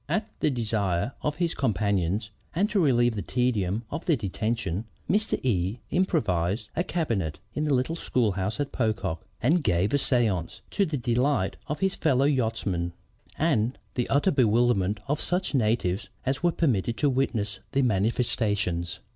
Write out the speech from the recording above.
At the desire of his companions, and to relieve the tedium of their detention, Mr. E improvised a cabinet in the little schoolhouse at Pocock, and gave a séance, to the delight of his fellow yachtsmen and the utter bewilderment of such natives as were permitted to witness the manifestations.